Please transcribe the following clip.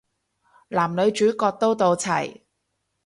男女主角都到齊